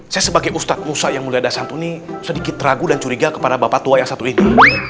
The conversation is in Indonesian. saya sebagai ustadz musa yang mulia dasar satu ini sedikit ragu dan curiga kepada bapak tua yang satu ini